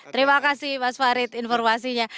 terima kasih mas farid informasinya